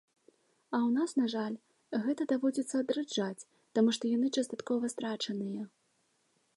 А у нас, на жаль, гэта даводзіцца адраджаць, таму што яны часткова страчаныя.